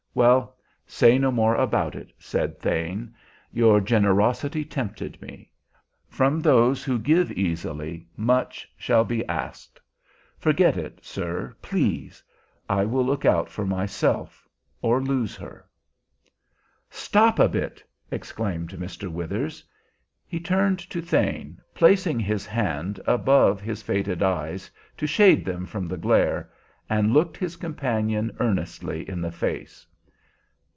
Well, say no more about it," said Thane. "Your generosity tempted me. From those who give easily much shall be asked. Forget it, sir, please. I will look out for myself, or lose her." "Stop a bit!" exclaimed Mr. Withers. He turned to Thane, placing his hand above his faded eyes to shade them from the glare, and looked his companion earnestly in the face.